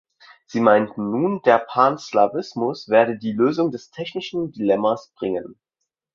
Sie meinten nun, der Panslawismus werde die Lösung des tschechischen Dilemmas bringen.